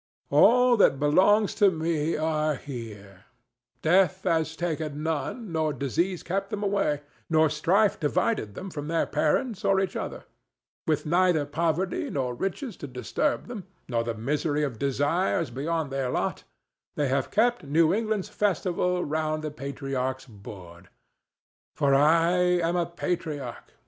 All that belongs to me are here: Death has taken none, nor Disease kept them away, nor Strife divided them from their parents or each other; with neither poverty nor riches to disturb them, nor the misery of desires beyond their lot, they have kept New England's festival round the patriarch's board. For I am a patriarch.